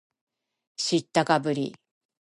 知ったかぶり